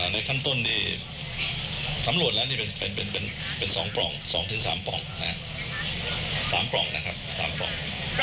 ในขั้นต้นนี่สำรวจแล้วนี่เป็น๒ปล่อง๒๓ปล่อง๓ปล่องนะครับ๓ปล่อง